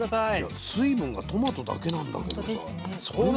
いや水分がトマトだけなんだけどさ